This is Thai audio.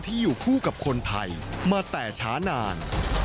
อยู่คู่กับคนไทยมาแต่ช้านาน